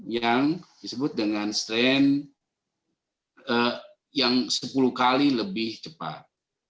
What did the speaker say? yang disebut dengan strain yang sepuluh kali lebih cepat